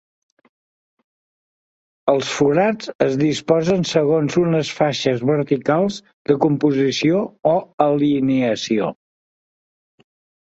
Els forats es disposen segons unes faixes verticals de composició o alineació.